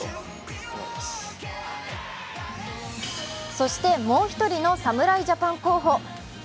そして、もう１人の侍ジャパン候補。